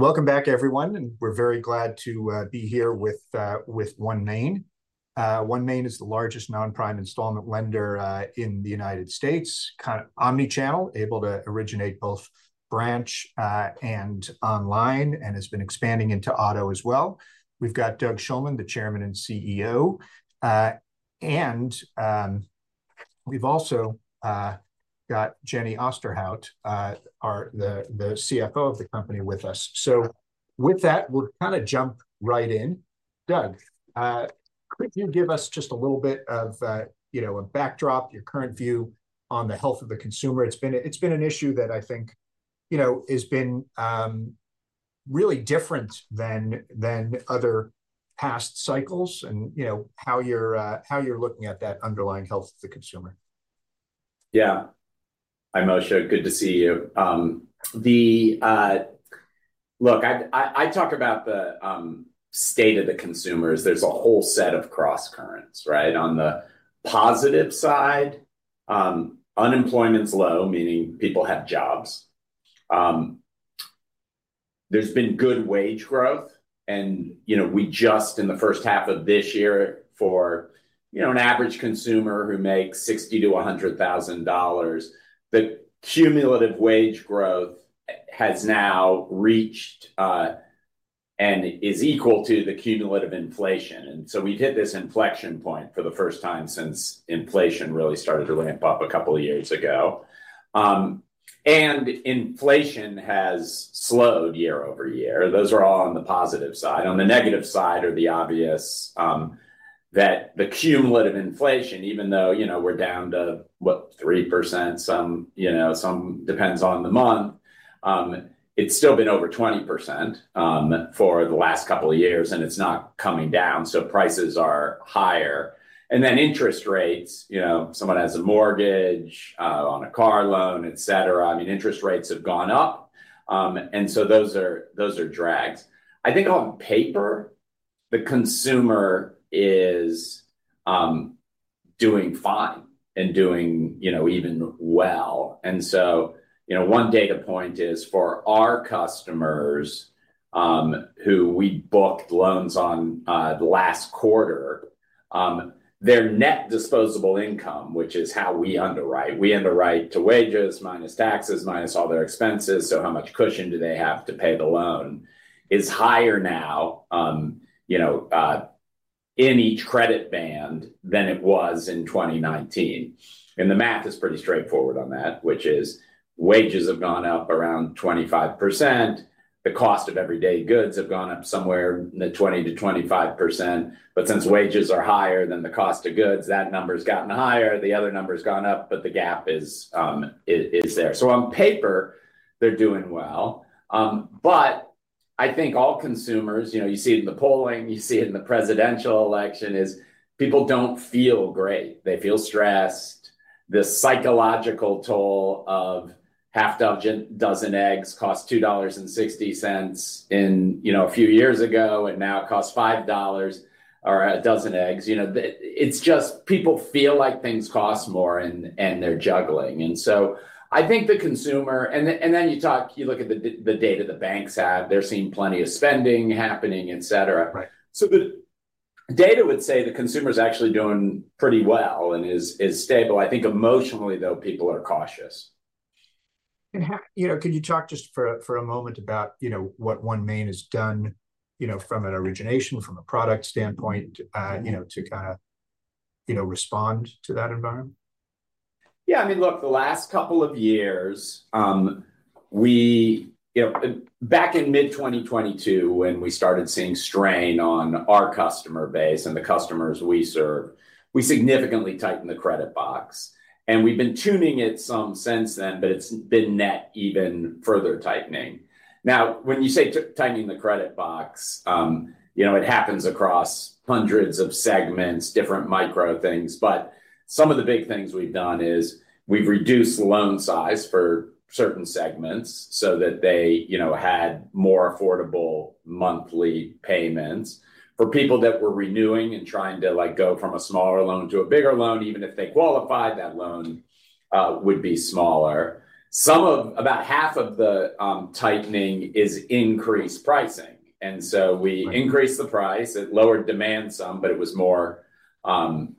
Welcome back, everyone. We're very glad to be here with OneMain. OneMain is the largest non-prime installment lender in the United States, kind of omnichannel, able to originate both branch and online, and has been expanding into auto as well. We've got Doug Shulman, the Chairman and CEO. We've also got Jenny Osterhout, the CFO of the company, with us. So with that, we'll kind of jump right in. Doug, could you give us just a little bit of a backdrop, your current view on the health of the consumer? It's been an issue that I think has been really different than other past cycles and how you're looking at that underlying health of the consumer? Yeah. Hi, Moshe. Good to see you. Look, I talk about the state of the consumers. There's a whole set of cross-currents, right? On the positive side, unemployment's low, meaning people have jobs. There's been good wage growth. And we just, in the first half of this year, for an average consumer who makes $60,000-$100,000, the cumulative wage growth has now reached and is equal to the cumulative inflation. And so we've hit this inflection point for the first time since inflation really started to ramp up a couple of years ago. And inflation has slowed year-over-year. Those are all on the positive side. On the negative side are the obvious that the cumulative inflation, even though we're down to, what, 3%? Some depends on the month. It's still been over 20% for the last couple of years, and it's not coming down. So prices are higher. And then interest rates. Someone has a mortgage, on a car loan, et cetera. I mean, interest rates have gone up. And so those are drags. I think on paper, the consumer is doing fine and doing even well. And so one data point is for our customers who we booked loans on last quarter, their net disposable income, which is how we underwrite. We underwrite to wages minus taxes minus all their expenses. So how much cushion do they have to pay the loan is higher now in each credit band than it was in 2019. And the math is pretty straightforward on that, which is wages have gone up around 25%. The cost of everyday goods have gone up somewhere in the 20%-25%. But since wages are higher than the cost of goods, that number's gotten higher. The other number's gone up, but the gap is there. So on paper, they're doing well. But I think all consumers, you see it in the polling, you see it in the presidential election, is people don't feel great. They feel stressed. The psychological toll of half a dozen eggs cost $2.60 a few years ago, and now it costs $5 a dozen eggs. It's just people feel like things cost more, and they're juggling. And so I think the consumer and then you look at the data the banks have. They're seeing plenty of spending happening, et cetera. So the data would say the consumer's actually doing pretty well and is stable. I think emotionally, though, people are cautious. Could you talk just for a moment about what OneMain has done from an origination, from a product standpoint, to kind of respond to that environment? Yeah. I mean, look, the last couple of years, back in mid-2022, when we started seeing strain on our customer base and the customers we serve, we significantly tightened the credit box. We've been tuning it some since then, but it's been net even further tightening. Now, when you say tightening the credit box, it happens across hundreds of segments, different micro things. Some of the big things we've done is we've reduced loan size for certain segments so that they had more affordable monthly payments for people that were renewing and trying to go from a smaller loan to a bigger loan, even if they qualified, that loan would be smaller. About half of the tightening is increased pricing. So we increased the price. It lowered demand some, but it was more profitable.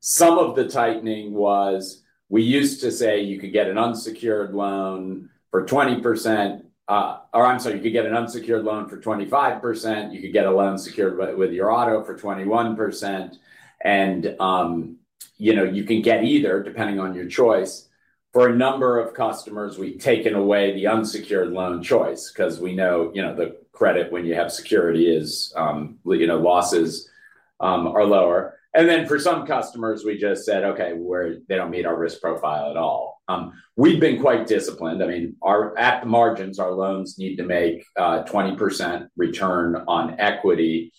Some of the tightening was we used to say you could get an unsecured loan for 20% or I'm sorry, you could get an unsecured loan for 25%. You could get a loan secured with your auto for 21%. And you can get either, depending on your choice. For a number of customers, we've taken away the unsecured loan choice because we know the credit, when you have security, losses are lower. And then for some customers, we just said, "Okay, they don't meet our risk profile at all." We've been quite disciplined. I mean, at the margins, our loans need to make a 20% return on equity.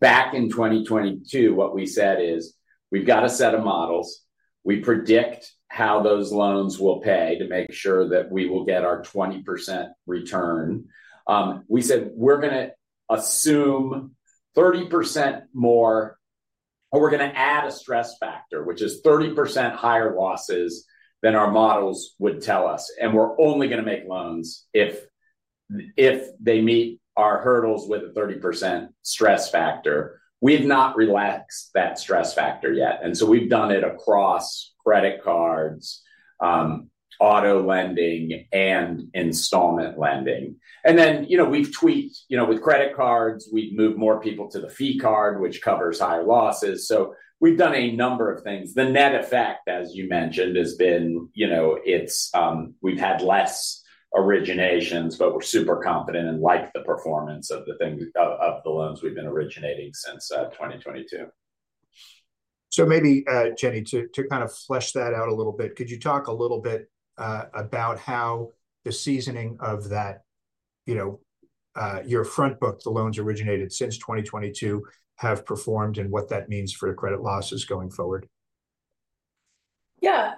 Back in 2022, what we said is we've got a set of models. We predict how those loans will pay to make sure that we will get our 20% return. We said we're going to assume 30% more, or we're going to add a stress factor, which is 30% higher losses than our models would tell us. We're only going to make loans if they meet our hurdles with a 30% stress factor. We've not relaxed that stress factor yet. We've done it across credit cards, auto lending, and installment lending. Then we've tweaked. With credit cards, we've moved more people to the fee card, which covers higher losses. We've done a number of things. The net effect, as you mentioned, has been we've had less originations, but we're super confident and like the performance of the loans we've been originating since 2022. So maybe, Jenny, to kind of flesh that out a little bit, could you talk a little bit about how the seasoning of your front book, the loans originated since 2022, have performed and what that means for the credit losses going forward? Yeah.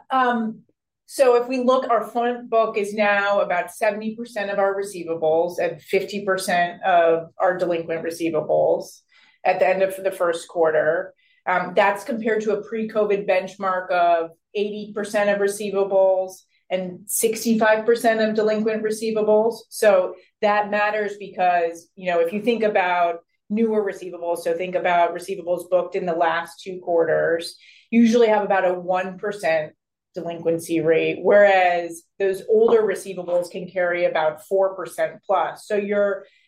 So if we look, our front book is now about 70% of our receivables and 50% of our delinquent receivables at the end of the first quarter. That's compared to a pre-COVID benchmark of 80% of receivables and 65% of delinquent receivables. So that matters because if you think about newer receivables, so think about receivables booked in the last two quarters, usually have about a 1% delinquency rate, whereas those older receivables can carry about 4% plus. So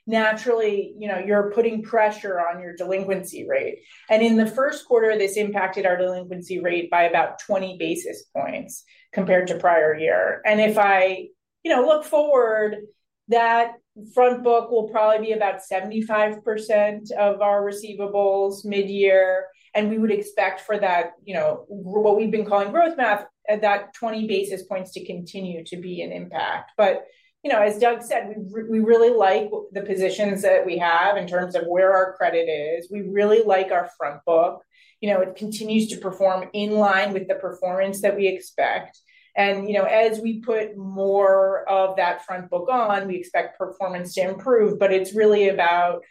naturally, you're putting pressure on your delinquency rate. And in the first quarter, this impacted our delinquency rate by about 20 basis points compared to prior year. And if I look forward, that front book will probably be about 75% of our receivables mid-year. And we would expect for what we've been calling growth math, that 20 basis points to continue to be an impact. But as Doug said, we really like the positions that we have in terms of where our credit is. We really like our front book. It continues to perform in line with the performance that we expect. And as we put more of that front book on, we expect performance to improve. But it's really about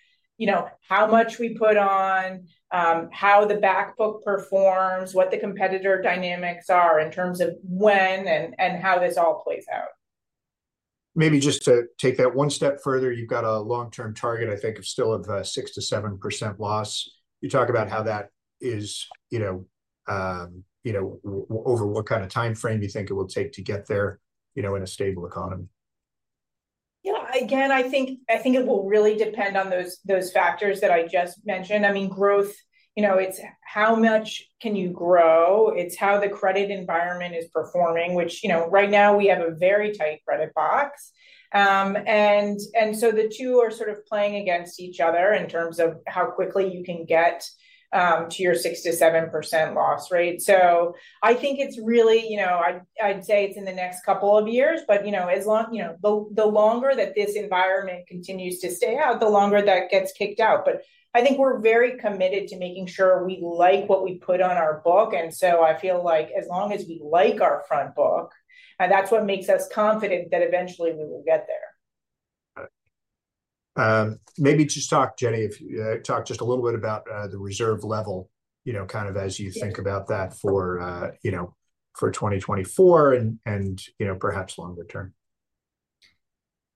how much we put on, how the back book performs, what the competitor dynamics are in terms of when and how this all plays out. Maybe just to take that one step further, you've got a long-term target, I think, of still of 6%-7% loss. You talk about how that is over what kind of time frame you think it will take to get there in a stable economy? Yeah. Again, I think it will really depend on those factors that I just mentioned. I mean, growth, it's how much can you grow. It's how the credit environment is performing, which right now we have a very tight credit box. And so the two are sort of playing against each other in terms of how quickly you can get to your 6%-7% loss rate. So I think it's really, I'd say it's in the next couple of years, but the longer that this environment continues to stay out, the longer that gets kicked out. But I think we're very committed to making sure we like what we put on our book. And so I feel like as long as we like our front book, and that's what makes us confident that eventually we will get there. Maybe just talk, Jenny, talk just a little bit about the reserve level kind of as you think about that for 2024 and perhaps longer term.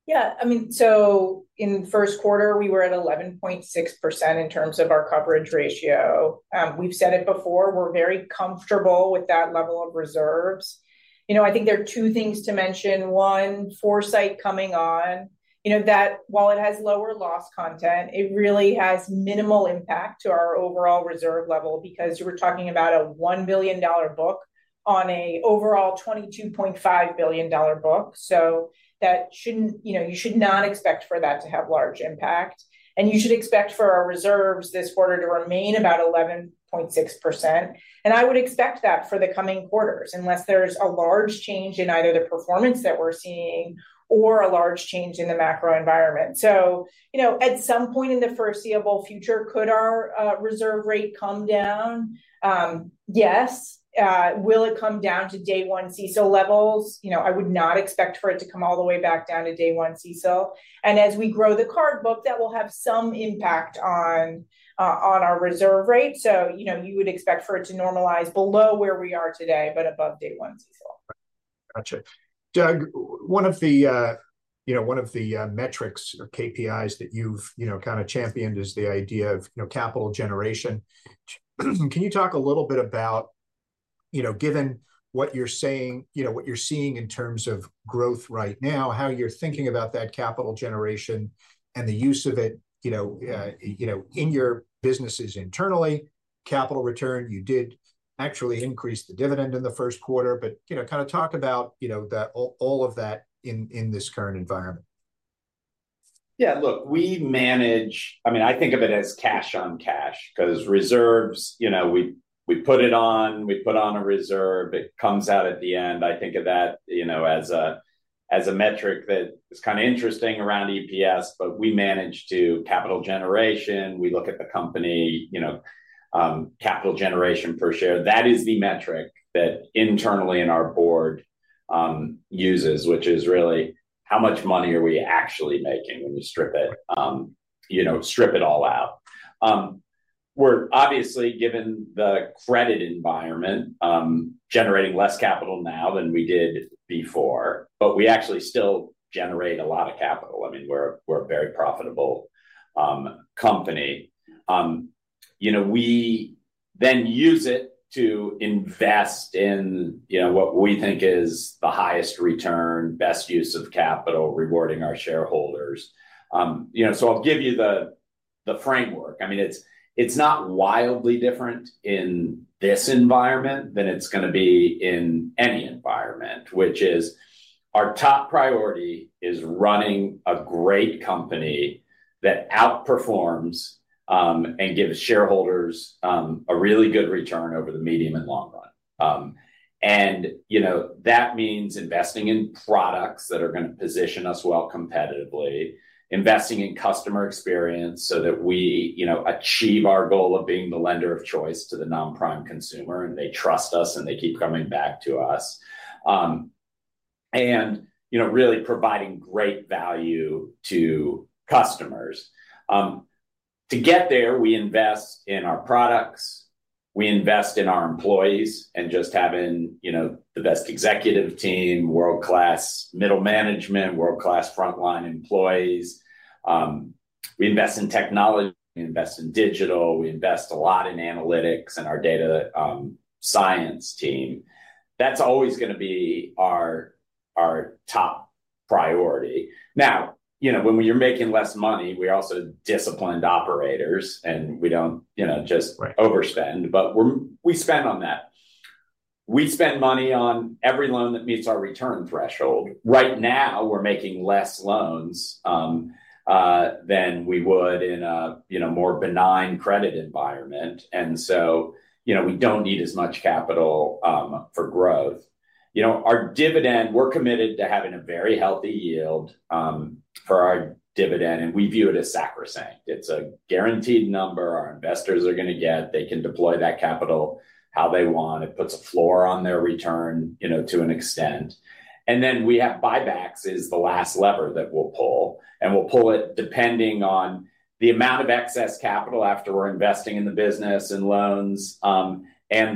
Yeah. I mean, so in the first quarter, we were at 11.6% in terms of our coverage ratio. We've said it before. We're very comfortable with that level of reserves. I think there are two things to mention. One, Foursight coming on. While it has lower loss content, it really has minimal impact to our overall reserve level because we're talking about a $1 billion book on an overall $22.5 billion book. So you should not expect for that to have large impact. And you should expect for our reserves this quarter to remain about 11.6%. And I would expect that for the coming quarters unless there's a large change in either the performance that we're seeing or a large change in the macro environment. So at some point in the foreseeable future, could our reserve rate come down? Yes. Will it come down to day one CECL levels? I would not expect for it to come all the way back down to day one CECL. As we grow the card book, that will have some impact on our reserve rate. You would expect for it to normalize below where we are today, but above day one CECL. Gotcha. Doug, one of the metrics or KPIs that you've kind of championed is the idea of capital generation. Can you talk a little bit about, given what you're saying, what you're seeing in terms of growth right now, how you're thinking about that capital generation and the use of it in your businesses internally, capital return? You did actually increase the dividend in the first quarter, but kind of talk about all of that in this current environment. Yeah. Look, I mean, I think of it as cash on cash because reserves, we put it on. We put on a reserve. It comes out at the end. I think of that as a metric that is kind of interesting around EPS, but we manage to capital generation. We look at the company capital generation per share. That is the metric that internally in our board uses, which is really how much money are we actually making when you strip it all out. We're obviously, given the credit environment, generating less capital now than we did before, but we actually still generate a lot of capital. I mean, we're a very profitable company. We then use it to invest in what we think is the highest return, best use of capital, rewarding our shareholders. So I'll give you the framework. I mean, it's not wildly different in this environment than it's going to be in any environment, which is our top priority is running a great company that outperforms and gives shareholders a really good return over the medium and long run. And that means investing in products that are going to position us well competitively, investing in customer experience so that we achieve our goal of being the lender of choice to the non-prime consumer, and they trust us, and they keep coming back to us, and really providing great value to customers. To get there, we invest in our products. We invest in our employees and just having the best executive team, world-class middle management, world-class frontline employees. We invest in technology. We invest in digital. We invest a lot in analytics and our data science team. That's always going to be our top priority. Now, when you're making less money, we're also disciplined operators, and we don't just overspend, but we spend on that. We spend money on every loan that meets our return threshold. Right now, we're making less loans than we would in a more benign credit environment. And so we don't need as much capital for growth. We're committed to having a very healthy yield for our dividend, and we view it as sacrosanct. It's a guaranteed number our investors are going to get. They can deploy that capital how they want. It puts a floor on their return to an extent. And then we have buybacks as the last lever that we'll pull. And we'll pull it depending on the amount of excess capital after we're investing in the business and loans and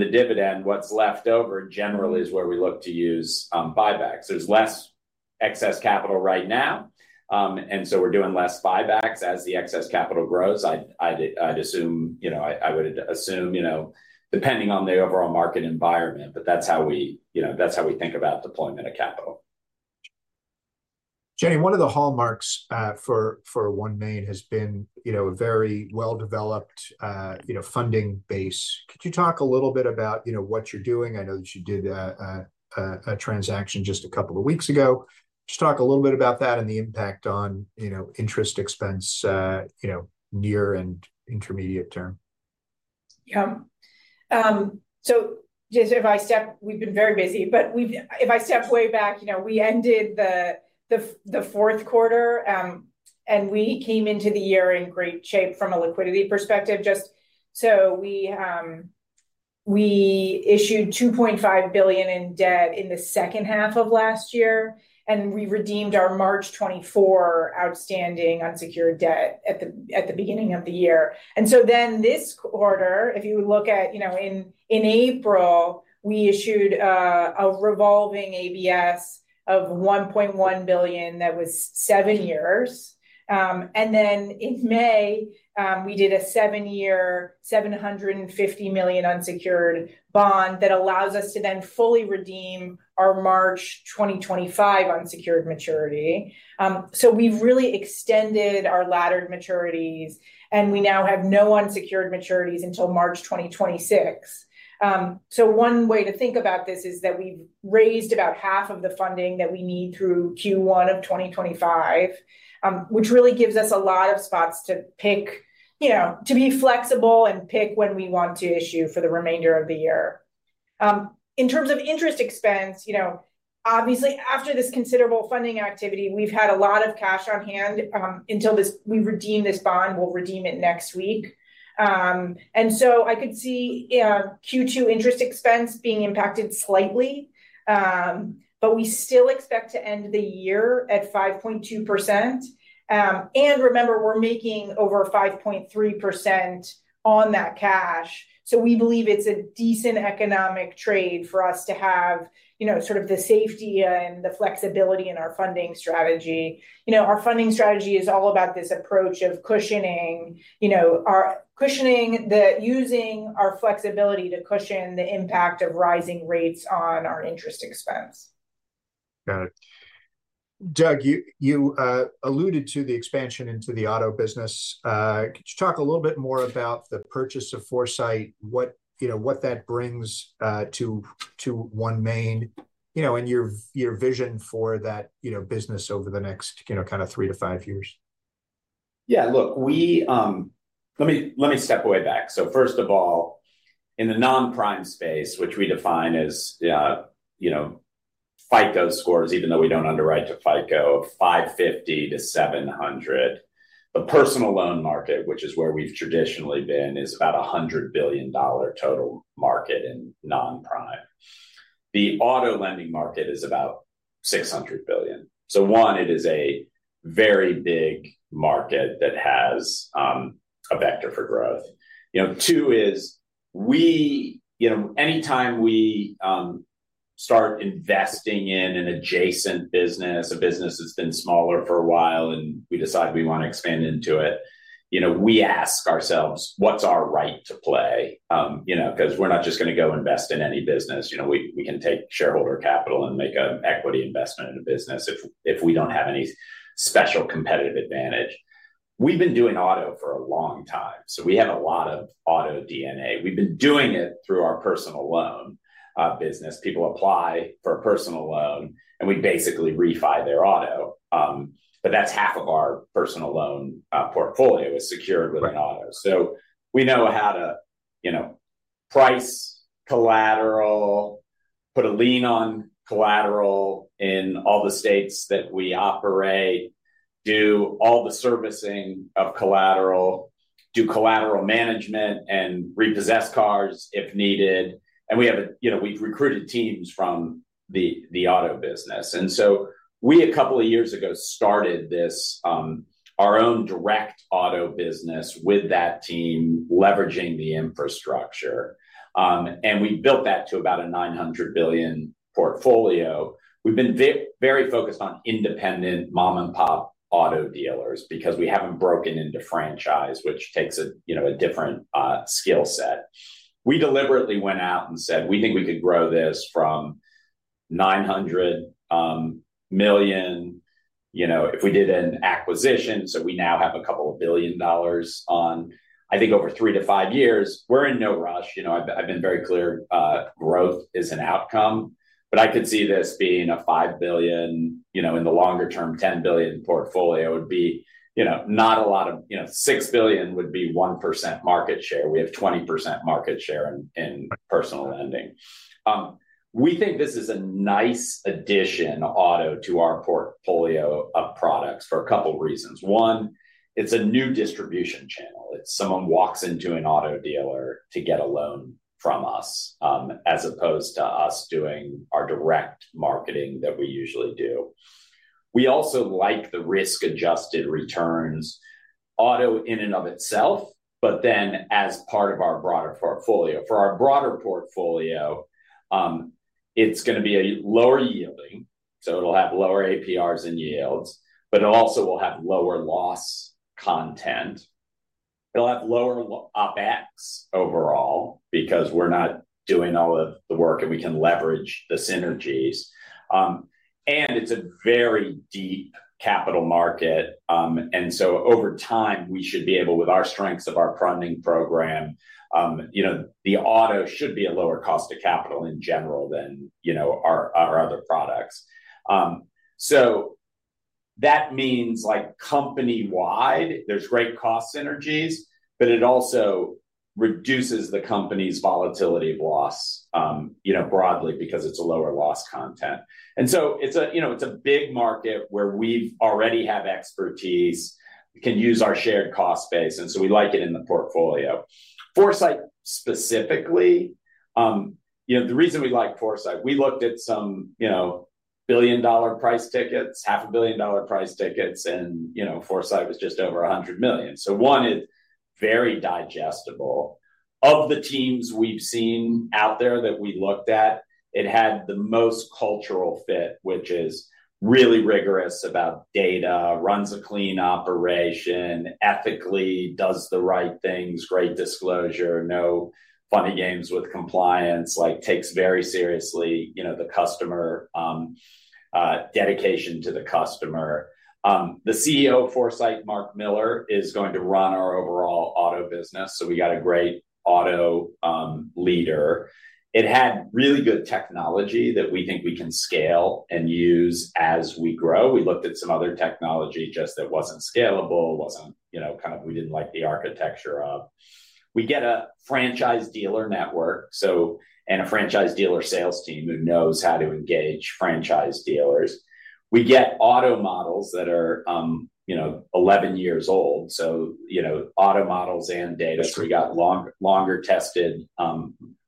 the dividend. What's left over generally is where we look to use buybacks. There's less excess capital right now, and so we're doing less buybacks as the excess capital grows. I would assume depending on the overall market environment, but that's how we think about deployment of capital. Jenny, one of the hallmarks for OneMain has been a very well-developed funding base. Could you talk a little bit about what you're doing? I know that you did a transaction just a couple of weeks ago. Just talk a little bit about that and the impact on interest expense near and intermediate term. Yeah. So we've been very busy, but if I step way back, we ended the fourth quarter, and we came into the year in great shape from a liquidity perspective. So we issued $2.5 billion in debt in the second half of last year, and we redeemed our March 2024 outstanding unsecured debt at the beginning of the year. And so then this quarter, if you look at in April, we issued a revolving ABS of $1.1 billion that was 7 years. And then in May, we did a 7-year $750 million unsecured bond that allows us to then fully redeem our March 2025 unsecured maturity. So we've really extended our laddered maturities, and we now have no unsecured maturities until March 2026. So one way to think about this is that we've raised about half of the funding that we need through Q1 of 2025, which really gives us a lot of spots to be flexible and pick when we want to issue for the remainder of the year. In terms of interest expense, obviously, after this considerable funding activity, we've had a lot of cash on hand until we redeem this bond. We'll redeem it next week. So I could see Q2 interest expense being impacted slightly, but we still expect to end the year at 5.2%. And remember, we're making over 5.3% on that cash. So we believe it's a decent economic trade for us to have sort of the safety and the flexibility in our funding strategy. Our funding strategy is all about this approach of cushioning by using our flexibility to cushion the impact of rising rates on our interest expense. Got it. Doug, you alluded to the expansion into the auto business. Could you talk a little bit more about the purchase of Foursight, what that brings to OneMain and your vision for that business over the next kind of three to five years? Yeah. Look, let me step way back. So first of all, in the non-prime space, which we define as FICO scores, even though we don't underwrite to FICO, 550-700. The personal loan market, which is where we've traditionally been, is about a $100 billion total market in non-prime. The auto lending market is about $600 billion. So one, it is a very big market that has a vector for growth. Two is anytime we start investing in an adjacent business, a business that's been smaller for a while, and we decide we want to expand into it, we ask ourselves, what's our right to play? Because we're not just going to go invest in any business. We can take shareholder capital and make an equity investment in a business if we don't have any special competitive advantage. We've been doing auto for a long time, so we have a lot of auto DNA. We've been doing it through our personal loan business. People apply for a personal loan, and we basically refi their auto. But that's half of our personal loan portfolio is secured with an auto. So we know how to price collateral, put a lien on collateral in all the states that we operate, do all the servicing of collateral, do collateral management, and repossess cars if needed. And we've recruited teams from the auto business. And so we, a couple of years ago, started our own direct auto business with that team leveraging the infrastructure. And we built that to about a $900 billion portfolio. We've been very focused on independent mom-and-pop auto dealers because we haven't broken into franchise, which takes a different skill set. We deliberately went out and said, "We think we could grow this from $900 million." If we did an acquisition, so we now have a couple of billion dollars on, I think, over three to five years. We're in no rush. I've been very clear growth is an outcome, but I could see this being a $5 billion in the longer term, $10 billion portfolio would be not a lot of $6 billion would be 1% market share. We have 20% market share in personal lending. We think this is a nice addition auto to our portfolio of products for a couple of reasons. One, it's a new distribution channel. It's someone walks into an auto dealer to get a loan from us as opposed to us doing our direct marketing that we usually do. We also like the risk-adjusted returns auto in and of itself, but then as part of our broader portfolio. For our broader portfolio, it's going to be lower yielding. So it'll have lower APRs and yields, but it also will have lower loss content. It'll have lower OpEx overall because we're not doing all of the work, and we can leverage the synergies. And it's a very deep capital market. And so over time, we should be able, with our strengths of our funding program, the auto should be a lower cost of capital in general than our other products. So that means company-wide, there's great cost synergies, but it also reduces the company's volatility of loss broadly because it's a lower loss content. And so it's a big market where we already have expertise, can use our shared cost base, and so we like it in the portfolio. Foursight specifically, the reason we like Foursight, we looked at some $1 billion price tickets, $500 million price tickets, and Foursight was just over $100 million. So one, it's very digestible. Of the teams we've seen out there that we looked at, it had the most cultural fit, which is really rigorous about data, runs a clean operation, ethically does the right things, great disclosure, no funny games with compliance, takes very seriously the dedication to the customer. The CEO of Foursight, Mark Miller, is going to run our overall auto business, so we got a great auto leader. It had really good technology that we think we can scale and use as we grow. We looked at some other technology just that wasn't scalable, wasn't kind of we didn't like the architecture of. We get a franchise dealer network and a franchise dealer sales team who knows how to engage franchise dealers. We get auto models that are 11 years old, so auto models and data. We got longer tested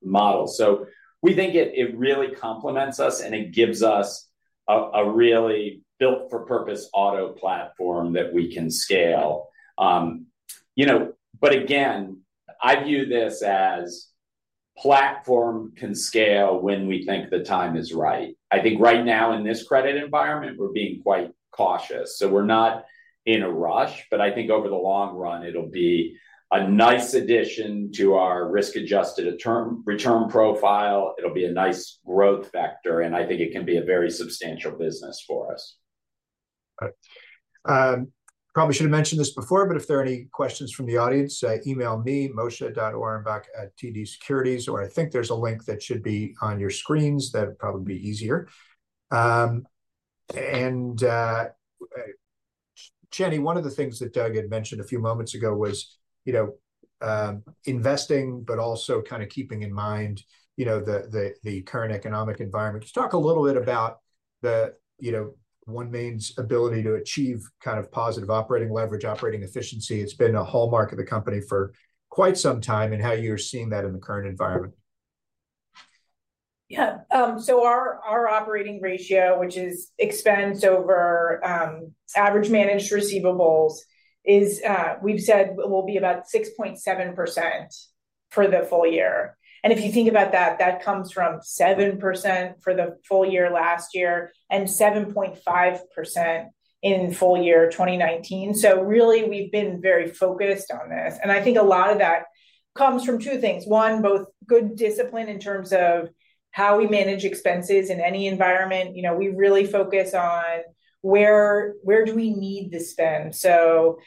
models. So we think it really complements us, and it gives us a really built-for-purpose auto platform that we can scale. But again, I view this as platform can scale when we think the time is right. I think right now, in this credit environment, we're being quite cautious. So we're not in a rush, but I think over the long run, it'll be a nice addition to our risk-adjusted return profile. It'll be a nice growth factor, and I think it can be a very substantial business for us. All right. Probably should have mentioned this before, but if there are any questions from the audience, email me, Moshe.Orenbuch@tdsecurities, or I think there's a link that should be on your screens that would probably be easier. And Jenny, one of the things that Doug had mentioned a few moments ago was investing, but also kind of keeping in mind the current economic environment. Just talk a little bit about OneMain's ability to achieve kind of positive operating leverage, operating efficiency. It's been a hallmark of the company for quite some time, and how you're seeing that in the current environment. Yeah. So our operating ratio, which expenses over average managed receivables, we've said will be about 6.7% for the full year. And if you think about that, that comes from 7% for the full year last year and 7.5% in full year 2019. So really, we've been very focused on this. And I think a lot of that comes from two things. One, both good discipline in terms of how we manage expenses in any environment. We really focus on where do we need to spend. So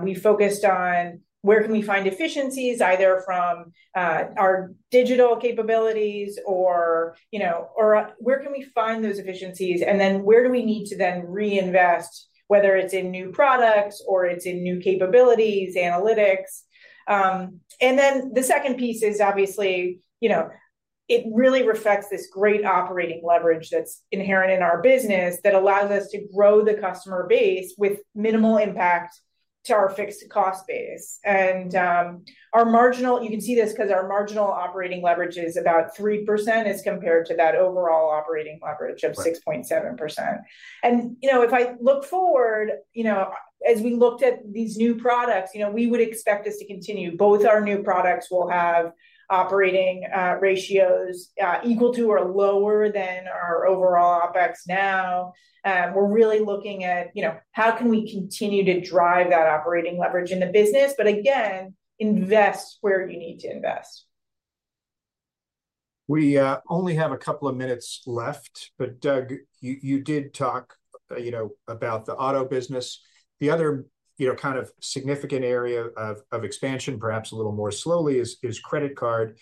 we focused on where can we find efficiencies, either from our digital capabilities or where can we find those efficiencies, and then where do we need to then reinvest, whether it's in new products or it's in new capabilities, analytics. And then the second piece is obviously it really reflects this great operating leverage that's inherent in our business that allows us to grow the customer base with minimal impact to our fixed cost base. And you can see this because our marginal operating leverage is about 3% as compared to that overall operating leverage of 6.7%. And if I look forward, as we looked at these new products, we would expect us to continue. Both our new products will have operating ratios equal to or lower than our overall OpEx now. We're really looking at how can we continue to drive that operating leverage in the business, but again, invest where you need to invest. We only have a couple of minutes left, but Doug, you did talk about the auto business. The other kind of significant area of expansion, perhaps a little more slowly, is credit card.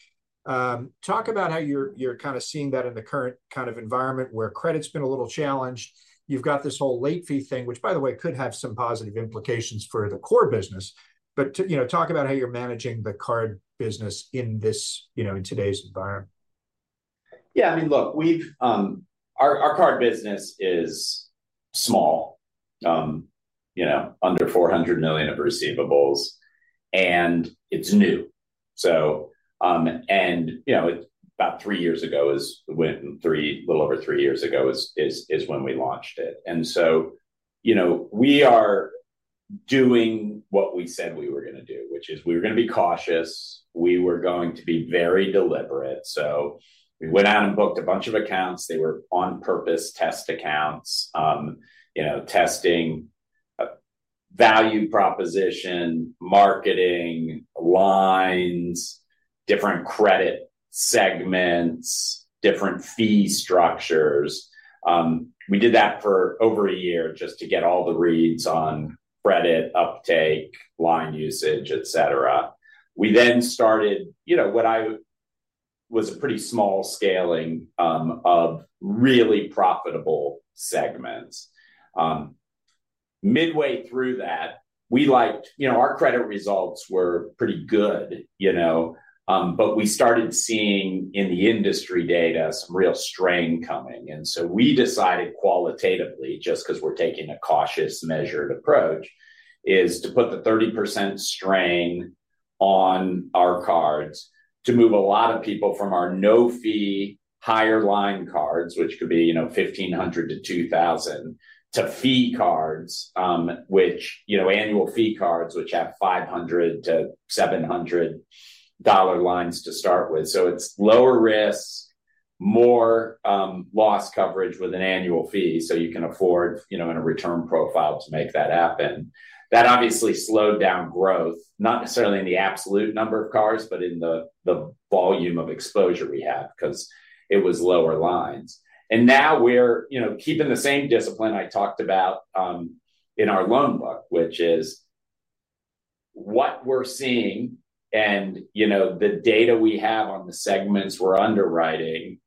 Talk about how you're kind of seeing that in the current kind of environment where credit's been a little challenged. You've got this whole late fee thing, which, by the way, could have some positive implications for the core business. But talk about how you're managing the card business in today's environment. Yeah. I mean, look, our card business is small, under $400 million of receivables, and it's new. And about 3 years ago, a little over three years ago is when we launched it. And so we are doing what we said we were going to do, which is we were going to be cautious. We were going to be very deliberate. So we went out and booked a bunch of accounts. They were on-purpose test accounts, testing value proposition, marketing, lines, different credit segments, different fee structures. We did that for over 1 year just to get all the reads on credit uptake, line usage, etc. We then started what was a pretty small scaling of really profitable segments. Midway through that, our credit results were pretty good, but we started seeing in the industry data some real strain coming. We decided qualitatively, just because we're taking a cautious measured approach, to put the 30% stress on our cards to move a lot of people from our no-fee higher line cards, which could be $1,500-$2,000, to fee cards, annual fee cards, which have $500-$700 lines to start with. So it's lower risk, more loss coverage with an annual fee, so you can afford in a return profile to make that happen. That obviously slowed down growth, not necessarily in the absolute number of cards, but in the volume of exposure we have because it was lower lines. And now we're keeping the same discipline I talked about in our loan book, which is what we're seeing and the data we have on the segments we're underwriting.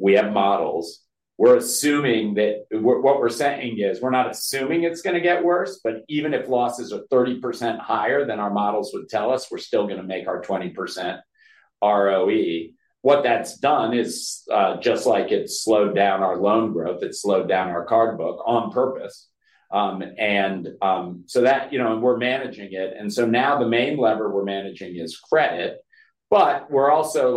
We have models. What we're saying is we're not assuming it's going to get worse, but even if losses are 30% higher than our models would tell us, we're still going to make our 20% ROE. What that's done is just like it slowed down our loan growth. It slowed down our card book on purpose. And so we're managing it. And so now the main lever we're managing is credit, but we're also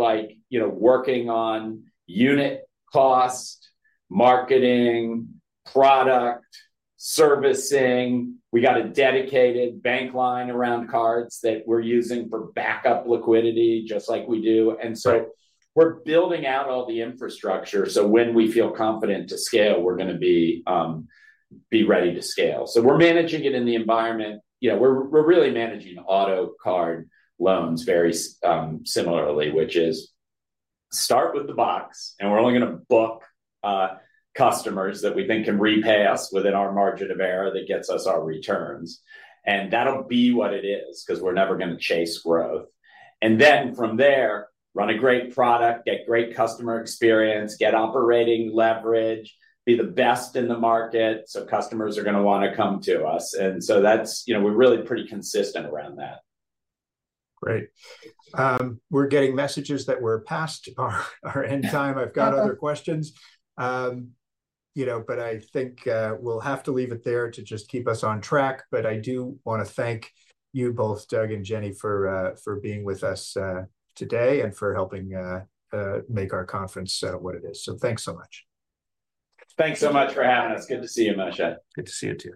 working on unit cost, marketing, product, servicing. We got a dedicated bank line around cards that we're using for backup liquidity, just like we do. And so we're building out all the infrastructure so when we feel confident to scale, we're going to be ready to scale. So we're managing it in the environment. We're really managing auto card loans very similarly, which is start with the box, and we're only going to book customers that we think can repay us within our margin of error that gets us our returns. And that'll be what it is because we're never going to chase growth. And then from there, run a great product, get great customer experience, get operating leverage, be the best in the market so customers are going to want to come to us. And so we're really pretty consistent around that. Great. We're getting messages that we're past our end time. I've got other questions, but I think we'll have to leave it there to just keep us on track. I do want to thank you both, Doug and Jenny, for being with us today and for helping make our conference what it is. So thanks so much. Thanks so much for having us. Good to see you, Moshe. Good to see you too.